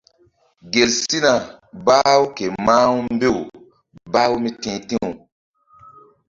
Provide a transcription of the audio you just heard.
Gel sina bah-u ke mah-u mbew bah-u mí ti̧h ti̧w.